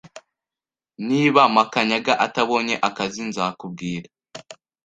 Niba Makanyaga atabonye akazi, nzakubwira.